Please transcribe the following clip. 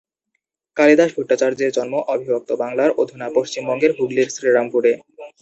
কালিদাস ভট্টাচার্যের জন্ম অবিভক্ত বাংলার অধুনা পশ্চিমবঙ্গের হুগলির শ্রীরামপুরে।